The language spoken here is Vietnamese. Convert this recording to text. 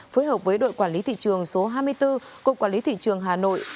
phối hợp với đội quản lý thị trường số hai mươi bốn cục quản lý thị trường hà nội